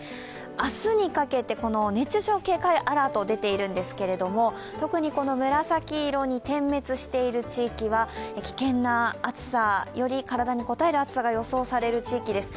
明日にかけて熱中症警戒アラートが出ているんですけれども、特に紫色に点滅している地域は危険な暑さ、より体にこたえる暑さが予想される地域です。